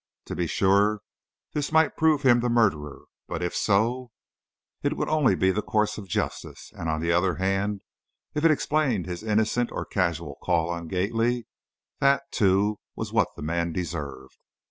To be sure, this might prove him the murderer, but if so, it would be only the course of justice; and, on the other hand, if it explained his innocent or casual call on Gately that, too, was what the man deserved.